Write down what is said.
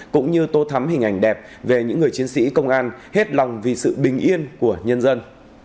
cũng như tô thắm hình ảnh đẹp về những người chiến sĩ công an hết lòng vì sự bình yên của nhân dân